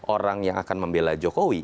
orang yang akan membela jokowi